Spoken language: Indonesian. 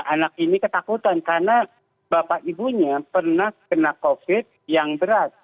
anak ini ketakutan karena bapak ibunya pernah kena covid yang berat